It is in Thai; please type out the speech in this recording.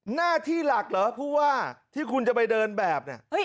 หน้าที่หลักเหรอผู้ว่าที่คุณจะไปเดินแบบเนี่ย